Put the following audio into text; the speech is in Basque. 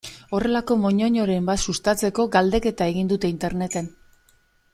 Horrelako moñoñoren bat sustatzeko galdeketa egin dute Interneten.